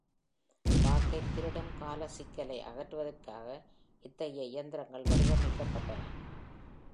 வாக்கை திருடும் கால சிக்கலை அகற்றுவதற்காக இத்தகைய இயந்திரங்கள் வடிவமைக்கப்பட்டன.